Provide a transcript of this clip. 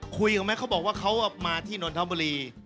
คุยกันไหมเขาบอกว่าเขามาที่นนทบุรี